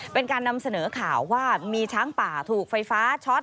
เป็นการนำเสนอข่าวว่ามีช้างป่าถูกไฟฟ้าช็อต